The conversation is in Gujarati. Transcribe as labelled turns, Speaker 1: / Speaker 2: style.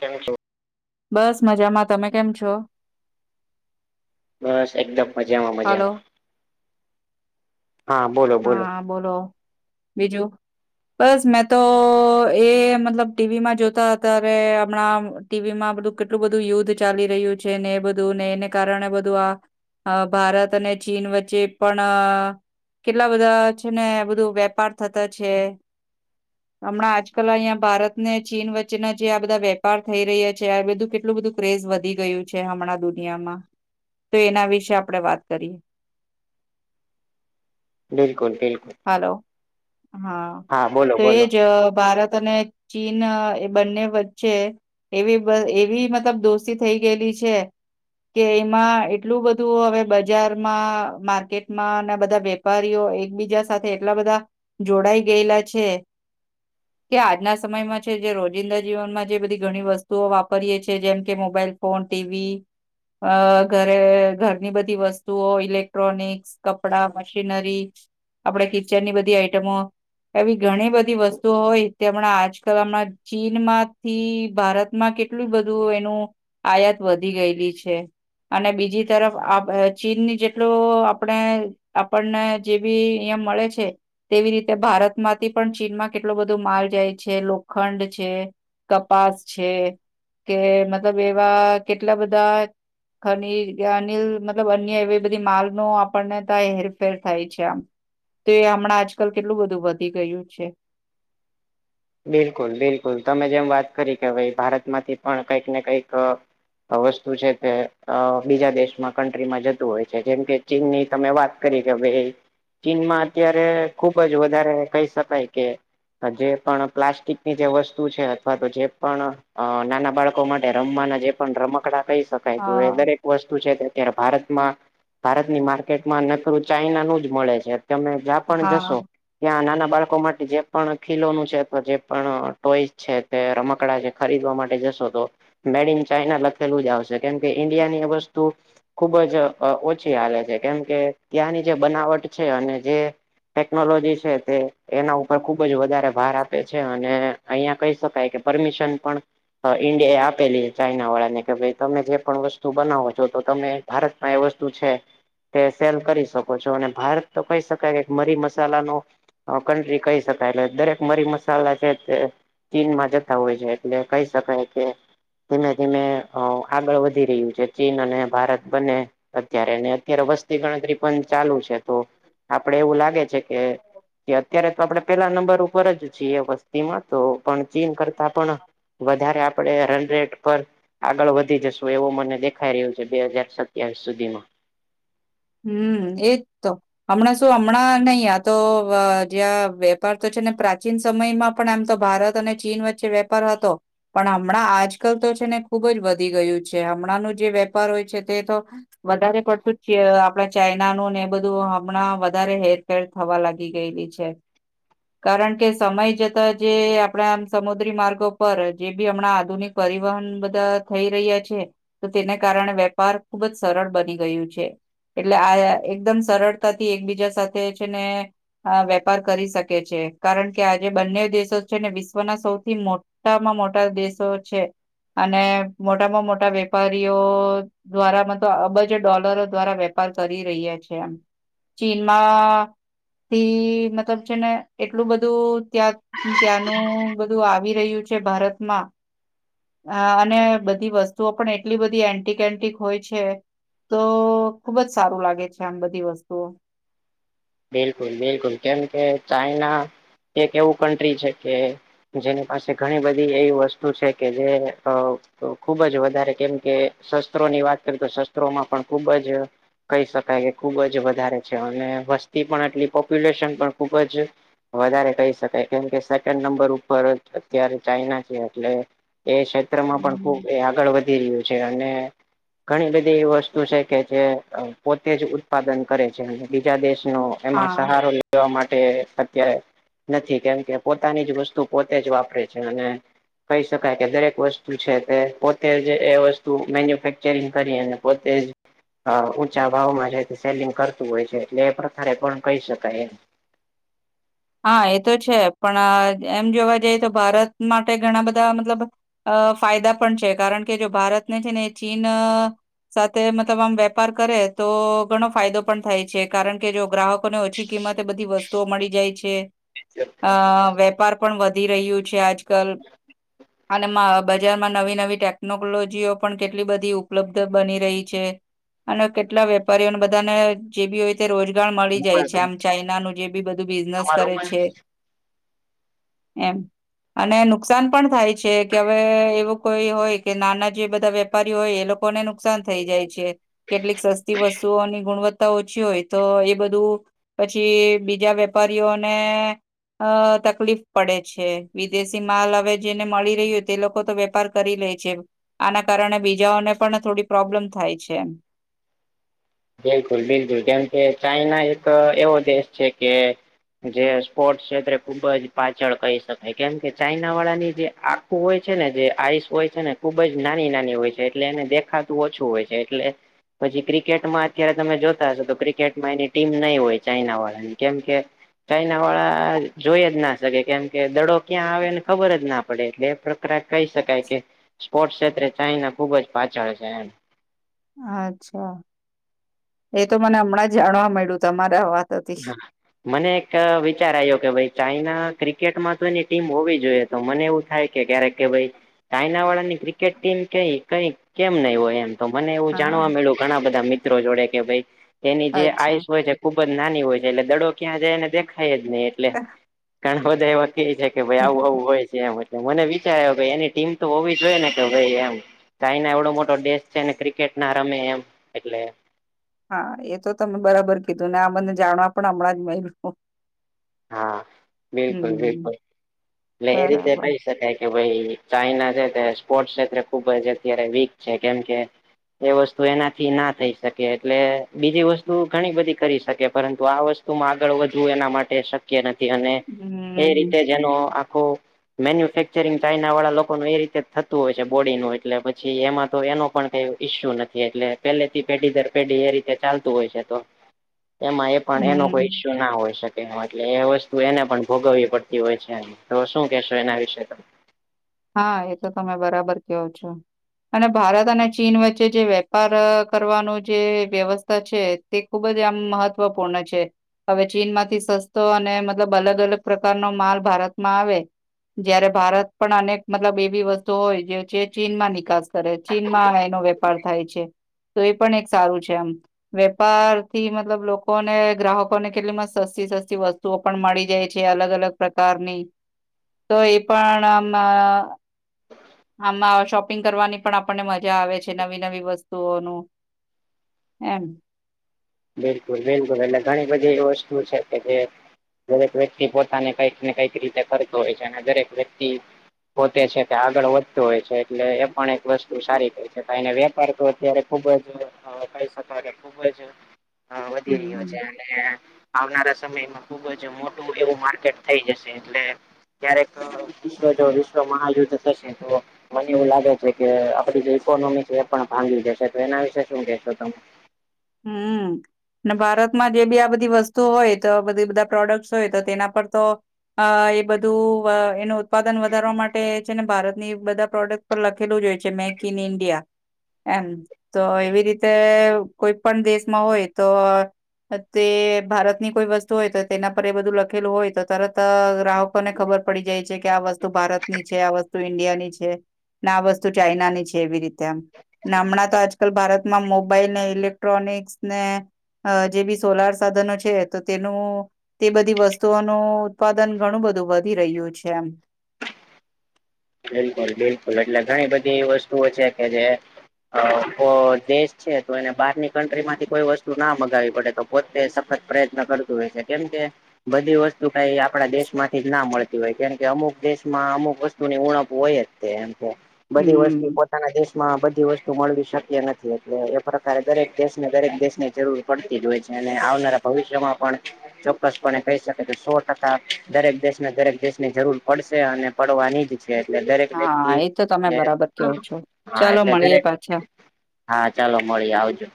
Speaker 1: થેન્કીયુ
Speaker 2: બસ મજામાં તમે કેમ છો
Speaker 1: બસ એકદમ મજામાં
Speaker 2: હાલો
Speaker 1: મજામાં હા
Speaker 2: હા બોલો બીજું બસ મેં તો એ મતલબ ટીવીમાં જોતા ત્યારે હમણા ટીવીમાં બધું કેટલું બધું યુદ્ધ ચાલી રહ્યું છે ને એ બધું ને એને કારણે બધું આ અ ભારત અને ચીન વચ્ચે પણ- - કેટલા બધા છે ને બધું વેપાર થતો છે. હમણાં આજકાલ અહં ભારત ને ચીન વચ્ચેના જે આ બધા વેપાર થઈ રહ્યા છે આ બધું કેટલું બધું- - ક્રેઝ વધી ગયું છે હમણાં દુનિયામાં તો એના વિશે આપડણે વાત કરીએ.
Speaker 1: બિલકુલ બિલકુલ.
Speaker 2: હલો હા
Speaker 1: બોલો
Speaker 2: તો
Speaker 1: બોલો.
Speaker 2: એ જ ભારત અને- - ચીન એ બંને વચ્ચે એવી બ એવી મતલબ દોસ્તી થઈ ગયેલી છે. કે એમાં એટલું બધું હવે બજારમાં માર્કેટમાં અને બધા વેપારીઓ એકબીજા સાથે એટલા બધા જોડાઈ ગયેલા છે. કે આજના સમયમાં છે જે રોજિંદા જીવનમાં જે બધી ઘણી વસ્તુઓ વાપરીએ છી જેમ કે મોબાઈલ ફોન ટીવી અ ઘરે ઘરની બધી વસ્તુઓ ઇલેક્ટ્રોનિક્સ કપડા મશીનરી આપડે કિચન ની બધી આઈટમો એવી ઘણી બધી વસ્તુઓ હોય તેમણાં આજકાલ હમણા ચીનમાંથી ભારતમાં કેટલું બધું એનુ આયાત વધી ગયેલી છે. અને બીજી તરફ ચીનની જેટલું આપણે આપણને જેવી અહિયાં મળે છે. તેવી રીતે ભારતમાંથી પણ ચીનમાં કેટલોું બધો માલ જાય છે લોખંડ છે કપાસ છે કે મતલબ એવા કેટલા બધા ખની અનિલ મતલબ અન્ય એવી બધી માલ ન આપણને ત હેરફેર થાય છે, આમ. તો એ હમણાં આજકાલ કેટલું બધું વધી ગયુ છે.
Speaker 1: બિલકુલ બિલકુલ તમે જેમ વાત કરી કે ભાઈ ભારત માંથી પણ કઈક ને કઈક- - વસ્તુ છે તે બીજા દેશમાં કન્ટ્રીમાં જતું હોય છે જેમ કે ચિનની તમે વાત કરી કે ભાઈ ચીનમાં અત્યારે ખુબ જ વધારે કહી શકાય કે જે પણ પ્લાસ્ટિક ની જે વસ્તુ છે, અથવા તો જે પણ અ નાના બાળકો માટે રમવાના જે પણ રમકડા કહી શકાય તુ એ
Speaker 2: હા
Speaker 1: દરેક વસ્તુ છે કે અત્યારે ભારતમા ભારતની માર્કેટમાં નકરું ચાઈના નું જ મળે છે, તમે જ્યાં પણ
Speaker 2: હા
Speaker 1: જશો ત્યાં નાના બાળકો માટે જે પણ ખીલોનું છે. તો જે પણ ટોઈસ છે તે રમકડા છે ખરીદવા માટે જશો તો મેડ ઇન ચાઈના લખેલુ જ આવશે કેમ કે ઈન્ડિયાની વસ્તુ ખુબ જ ઓછી હાલે છે કેમ કે ત્યાંની જે બનાવટ છે, અને જે ટેકનોલોજી છે તે એના ઉપર ખુબ જ વધારે ભાર આપ આપ છે અને અહિયાં કહી શકાય કે પરમિશન પણ ઈન્ડિયા એ આપેલી છે ચાાઈના વાળા ને કે ભાઈ તમે જે પણ વસ્તુ બનાવો છો, તો તમે ભારતમાં એ વસ્તુ છે. તે સેલ કરી શકો છો, અને ભારત તો કહી શકાય મરી મસાલા નો કન્ટ્રી કહી શકાય એટલે દરેક મરી મસ્ત લા છે તે ચીનમાં જતા હોય છે, એટલે કહી શકાય કે ધીમે ધીમે આગળ વધી રહ્યું છે ચીન અને ભારત બને અત્યારે અત્યારે વસ્તી ગણતરી પણ ચાલુ છે, તો આપડે એવું લાગે છે, કે અત્યારે તો આપડે પેલા નંબર ઉપર જ છીએ એ વસ્તુ તો પણ ચીન કરતા પણ વધારે આપણે રન રટ પર આગળ વધી જશું એવો મને દેખાઈ રહ્યો છે બે હાજાર સત્યાવીસ સુધીમા
Speaker 2: હમ એજ તો હમણાં શું હમણાં નહી આ તો જ્યાં વેપાર તો છે, ને પ્રાચીન સમયમા પણ એમ તો ભારત અને ચીન વચ્ચે વેપાર હતો. પણ હમણાં આજકાલ તો છેને, ખુબજ વધી ગયું છે હમણાંનું જે વેપાર હોય છે, તે તો વધારે પડતું જ છે. આપણા ચાઈના નું ને એ બધું હમણાં વધારે હેરફેર થવા લાગી ગયેલી છે. કારણ કે સમય જતા જે આપણા આમ સમુદ્રી માર્ગો પર જે બી હમણાં આધુનિક પરિવહન બધા થઈ રહ્યા છે. તો તેને કારણે વેપાર ખુબ જ સરળ બની ગયુ છે. એટલે આ એકદમ સરળતાથી એકબીજા સાથે છેને. આ વેપાર કરી શકે છે, કારણ કે આજે બંને દેશો છે ને વિશ્વના સૌથી મોટા ટામાં મોટા દેશો છે અને મોટામાં મોટા વેપારીઓ દ્વારા મત અબજો ડોલરો દ્વારા વેપાર કરી રહ્યા છે એમ ચીનમાં થી મતલબ છે ને એટલું બધું ત્યાં ત્યાંનું બધું આવી રહ્યું છે ભારતમાં અ અને બધી વસ્તુઓ પણ એટલી બધી એન્ટિક એન્ટિક હોય છે તો ખુબ જ સારું લાગે છે આમ બધી વસ્તુઓ
Speaker 1: બિલકુલ બિલકુલ કેમ કે ચાઈના એક એવું કન્ટ્રી છે કે જેની પાસે ઘણી બધી એવી વસ્તુ છે કે જે તો ખુબ જ વધારે કેમ કે શસ્ત્રોની વાત કરીએ તો શસ્ત્રોમાં પણ ખુબ જ કહી શકાય કે ખુબ જ વધારે છે અને વસ્તી પણ એટલી પોપ્યુલેશન પણ ખૂબ જ વધારે કહી શકાય કેમકે સેકન્ડ નંબર ઉપર અત્યારે ચાઈના છે એટલે એ ક્ષેત્રમાં પણ ખૂબ
Speaker 2: હમ.
Speaker 1: એ આગળ વધી રહ્યું છે અને ઘણી બધી એવી વસ્તુ છે કે જે પોતે જ ઉત્પાદન કરે છે અને બીજા દેશ નો એમાં
Speaker 2: હા
Speaker 1: સહારો લેવા માટે અત્યારે નથી કેમ કે પોતાની જ વસ્તુ પોતે જ વાપરે છે અને કહી શકાય કે દરેક વસ્તુ છે તે પોતે જ એ વસ્તુ મેન્યુફેક્ચરિંગ કરીને પોતે જ ઊંચા ભાવમાં છે સેલિંગ કરતું હોય છે એટલે ધારે પણ કહી શકાય એમ
Speaker 2: હા એ તો છે પણ એમ જોવા જઈએ તો ભારત માટે ઘણા બધા મતલબ અ ફાયદા પણ છે કારણ કે જો ભારતને છે ને ચીન સાથે મતલબ આમ વેપાર કરે તો ઘણો ફાયદો પણ થાય છે કારણ કે જો ગ્રાહક કોને ઓછી કિંમતે બધી વસ્તુઓ મળી જાય છે અ વેપાર પણ વધી રહ્યું છે આજ કલ અને બજારમાં નવી નવી ટેકનોલોજીઓ પણ કેટલી બધી ઉપલબ્ધ બની રહી છે અને કેટલા વેપારીઓને બધાને જે બી હોય તે રોજગાર મળી જાય છે આમ ચાઈનાનું જે બી બધું બિઝનેસ કરે
Speaker 1: તમારું
Speaker 2: છે એમ અને નુકસાન પણ થાય છે કે હવે એવું કોઈ હોય કે નાના જે બધા વ્ય વેપારી હોય એ લોકોને નુકસાન થઈ જાય છે કેટલીક સસ્તી વસ્તુઓની ગુણવત્ત તા ઓછી હોય તો એ બધું પછી બીજા વેપારીઓને અ તકલીફ પડે છે વિદેશી માલ હવે જેને મળી રહ્યો તે લોકો તો વેપાર કરી લેય છે આના કારણે બીજાઓને પણ થોડી પ્રોબ્લેમ થાય છે એમ
Speaker 1: બિલકુલ બિલકુલ જેમ કે ચાઈના એક એવો દેશ છે કે જે સ્પોર્ટ્સ ક્ષેત્રે ખુબ જ પાછળ કહી શકાય કેમ કે ચાઈના વાળાની જે આ ખું હોય છે ને જે આયીસ હોય છે ને ખુબ જ નાની નાની હોય છે એટલે એને દેખાતું ઓછું હોય છે એટલે પછી ક્રિકેટમાં ક્યારે તમે જોતા હશો તો ક્રિકેટમાં એની ટીમ નહીં હોય ચાઈના વાળાની કેમ કે ચાઈના વાળા જોઈ જ ના શકે કેમ કે દડો ક્યાં આવેને ખબર જ ના પડે એટલે કહી શકાય કે સ્પોર્ટસ ક્ષેત્રે ચાઈના ખુબ જ પાછળ છે એમ
Speaker 2: અચ્છા એતો મને હમણાં જાણવા મળ્યું તમારા વા
Speaker 1: મને એક વિચાર આવ્યો કે ભાઈ ચાઈના ક્રિકેટમાં તો એની ટીમ હોવી જોઈએ તો મને એવું થાય કે ક્યારેક કે ભાઈ ચાઈના વાળા ની ક્રિકેટ ટીમ કઈ કઈ કેમ નહી હોય એમ તો મને એવું જાણવા
Speaker 2: હા
Speaker 1: મળ્યું ઘણા બધા મિત્રો જોડે કે ભાઈ એની જે
Speaker 2: અચ્છા
Speaker 1: આયુસ હોય છે ખુબ જ નાની હોય છે એટલે દડો ક્યાં જાયને દેખાય જ નહી એટલે [unintelligible] કે ભાઈ આવું આવું હોય છે એમ એટલે મને વિચાર એની ટીમ તો હોવી જ હોઈએ ને કે ભાઈ એમ ચાઈના એવડો મોટો દેશ છેને ક્રિકેટ ના રમે એમ એટલે
Speaker 2: હા એ તો તમે બરાબર કીધું ને આ બને જાણવા પણ હમણાં જ મયલુ
Speaker 1: હા બિલકુલ
Speaker 2: હમ
Speaker 1: બિલકુલ એટલે એ રીતે
Speaker 2: બરાબર
Speaker 1: કઈ કે ભાઈ ચાઈના છે તે સ્પોર્ટસ ક્ષેત્રે ખુબ જ અત્યારે વીક છે કેમકે એ વસ્તુ એનાથી ના થઈ શકે એટલે બીજી વસ્તુ ઘણી બધી કરી શકે પરંતુ આ વસ્તુ આગળ વધવું એના માટે શક્ય નથી અને એ
Speaker 2: હમ
Speaker 1: રીતે જેનો આખો
Speaker 2: [inaudible]
Speaker 1: મેન્યુફેક્ચરિંગ ચાઇના વાળા લોકોનું એ રીતે જ થતું હોય છે બોડીનુંું એટલે પછી એમાં તો એનો પણ કઈ ઈ્યુ નથી એટલે પેલેથી પેઢી દર પેઢી એ રીતે ચાલતું હોય છે તો એમાં પણ એનો કોઈ
Speaker 2: હમ
Speaker 1: ઈસ્યુ ના હોઈ શકે એટલે એ વસ્તુ એને પણ ભોગવવી પડતી હોય છે તો શું કેહેશો એના વિશે તો
Speaker 2: હા એ તો તમે બરાબર કહો છો અને ભારત અને ચીન વચ્ચે જે વેપાર કરવાનું જે વ્યવસ્થા છે તે ખૂબ જ આમ મહત્ત્વપૂર્ણ છે હવે ચીન માંથી સસ્તો અને મતલબ અલગ અલગ પ્રકારનો માલ ભારતમાં આવે જયારે ભારત પણ અનેક મતલબ એવીી વસ્તુ હોય જે છે ચીનમાં નિકાસ કરે ચીનમાં એનો વેપાર થાય છે તો એ પણ એક સારું છે આમ વેપાર થી મતલબ લોકો ને ગ્રાહકોને કેટલીમાં સસ્તી સસ્તી વસ્તુ વતુઓ પણ મળી જાય છે અલગ અલગ પ્રકારની તો એ પણ આમાં હ [inaudible] આમાં શોપિંગ કરવાની પણ આપણને મજા આવે છે નવી નવી વસ્તુઓનું હમ
Speaker 1: બિલકુલ બિલકુલ એટ ઘણી બધી એ વસ્તુ છે કે જે દરેક વ્યક્તિ પોતાને કઈક ને કઈક રીતે કરતો હોય છે અને દરેક વ્યક્તિ પોતે છે તે આગળ વધતું હોય છે એટલે એ પણ એક વસ્તુ સારી કહે છે વેપાર તો અત્યારે ખુબ જ કહી શકો કે ખુબ જ વધી રહ્યો છે
Speaker 2: હમ
Speaker 1: એ આવનારા સમયમાં ખુબ જ મોટું એવું માર્કેટ થઈ જશે એટલે ક્યારેક વિશ્વ જો વિશ્વ મહાયુદ્ધ થશે તો મને એવું લાગે છે કે આપડી જે ઇકોનોમી છે એ પણ ભાંગી જશે તો એના વિશે શું કેહેશો તમે
Speaker 2: હમ અને ભારતમાં જે બી આ બધી વસ્તુ હોય તો બધી બધા પ્રોડક્ટ્સ હોય તો તેના પર તો અ એ બધું એનું ઉત્પાદન વધારવા માટે છે ને ભારત ની બધા પ્રોડક્ટ પર લખેલું જ હોય છે મેડીઇન ઇન્ડિયા એમ તો એવી રીતે કોઈ પણ દેશમાં હોય તો તે ભારત ની કોઈ વસ્તુ હોય તો તેના પર એ બધું લખેલું હોય તો તરત ગ્રાહક આપને ખબર પડી જાય છે કે આ વસ્તુ ભારત ની છે આ વસ્તુ ઈન્ડિયા ની છે આ વસ્તુ ચાાઈના ની છે એવી રીતે આમ હમણાં તો આજકાલ ભારતમાં મોબાઈલ ને ઇલેક ક્ટ્રોનિકસ ને જે બી સોલાર સાધનો છે તો તેનું તે બધી વસ્તુઓનું ઉત્પાદન ઘણું બધું વધી રહ્યું છે એમ
Speaker 1: બિલકુલ બિલકુલ એટલે ઘણી બધી એવી વસ્તુઓ છે કે જે હ તો દેશ છે તો એને બહારની કન્ટ્રી માંથી કોઈ વસ્તુ ના મગાવવી પડે તો પોતે સફત પ્રયત્ન કરતું હોય છે કેમ કે બધી વસ્તુ કઈ આપણા દેશ માંથી જ ના મળતી હોય કેમ કે અમુક દેશમાં અમુક વસ્તુ તની ઉણપ હોય જ તે એમ કે બધી વસ્તુ
Speaker 2: હમ
Speaker 1: દેશ માં બધી વસ્તુ મળવી શક્ય નથી એટલે એ પ્રકારે દરેક દેશને દરેક દેશની જરૂર પડતી જ હોય છે અને આવનારા ભવિષ્યમાં પણ ચોક્કસપણે કહી શકે કે સો ટકા દરેક દેશને દરેક દેશની જરૂર પડશે અને પડવાની જ એટલે દરેક વ્યક્તિ
Speaker 2: હા એ તો તમે બરાબર કહો છો
Speaker 1: હા
Speaker 2: ચાલો
Speaker 1: એટલે
Speaker 2: મળીએ
Speaker 1: દરેક
Speaker 2: પાછા
Speaker 1: હા ચાલો મળીએ આવજો